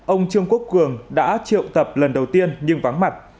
ông trương quốc cường đã triệu tập lần đầu tiên nhưng vắng mặt